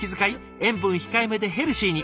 塩分控えめでヘルシーに。